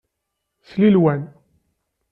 Slilew.